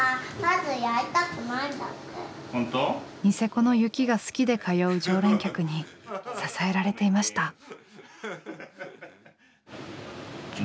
ニセコの雪が好きで通う常連客に支えられていました。